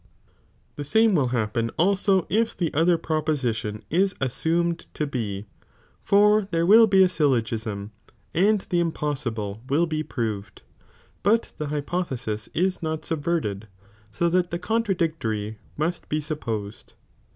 The same will happen also if the other proposition' a ' assumed to B, for there will be a syllogism, and the impossible ■ (will be proved), but the hypothesis is not subverted, so that the contradictory must be supposed.